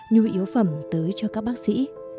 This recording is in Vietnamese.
nhu yếu phẩm tới cho các bác sĩ